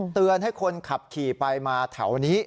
เตือนให้คนขับขี่ไปมาแถวนี้